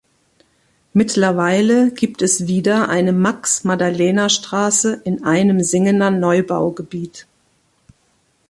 Mittlerweile gibt es wieder eine Max-Maddalena-Straße in einem Singener Neubaugebiet.